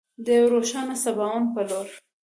د یو روښانه سباوون په لور.